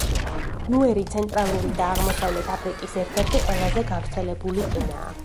ნუერი ცენტრალური და აღმოსავლეთ აფრიკის ერთ–ერთი ყველაზე გავრცელებული ენაა.